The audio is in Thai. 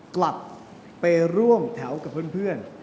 กลับไปร่วมแถวกับเพื่อน